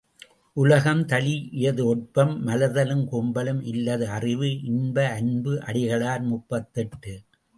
உலகம் தழீஇயது ஒட்பம் மலர்தலும் கூம்பலும் இல்லது அறிவு இன்ப அன்பு அடிகளார் முப்பத்தெட்டு.